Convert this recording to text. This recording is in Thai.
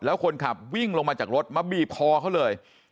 แล้วคนขับวิ่งลงมาจากรถมาบีบคอเขาเลย